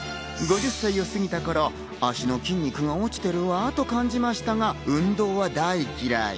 ５０歳を過ぎた頃、足の筋肉が落ちているわと感じましたが、運動は大嫌い。